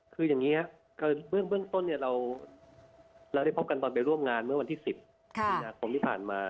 คืออย่างนี้ครับคือเบื้องต้นเนี่ยเราได้พบกันตอนไปร่วมงานเมื่อวันที่๑๐มีนาคมที่ผ่านมา